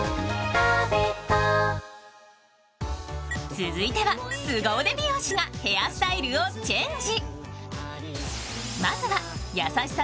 続いては、すご腕美容師がヘアスタイルをチェンジ。